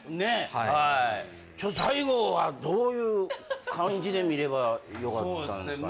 はいちょっ最後はどういう感じで見ればよかったんすかね？